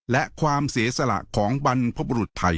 และความเสียสละของบรรพบรุษไทย